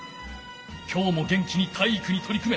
今日も元気に体育に取り組め！